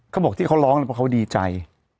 เขาบอกที่เขาร้องเพราะเขาดีใจ